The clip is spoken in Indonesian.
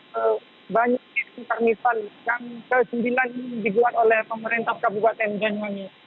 terlihat banyak ethno carnival yang ke sembilan ini dibuat oleh pemerintah kabupaten banyuwangi